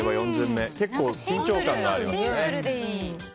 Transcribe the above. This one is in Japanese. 結構、緊張感がありますね。